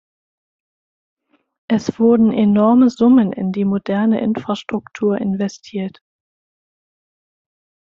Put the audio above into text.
Es wurden enorme Summen in die moderne Infrastruktur investiert.